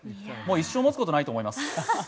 一生持つことないと思います。